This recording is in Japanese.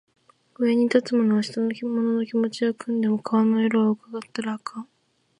上に立つ者は下の者の気持ちは汲んでも顔色は窺ったらあかん